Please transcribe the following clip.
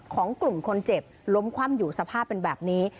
ของกลุ่มคนเจ็บล้มคว่ำอยู่สภาพเป็นแบบนี้